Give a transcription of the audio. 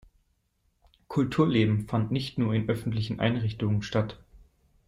Kulturleben fand nicht nur in öffentlichen Einrichtungen statt.